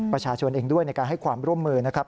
ประชาชนเองด้วยในการให้ความร่วมมือนะครับ